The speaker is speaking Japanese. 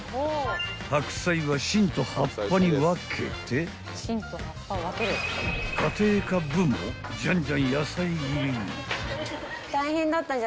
［白菜は芯と葉っぱに分けて家庭科部もじゃんじゃん野菜切り］